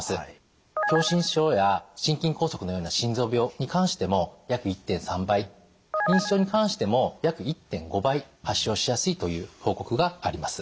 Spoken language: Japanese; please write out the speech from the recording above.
狭心症や心筋梗塞のような心臓病に関しても約１．３倍認知症に関しても約１．５倍発症しやすいという報告があります。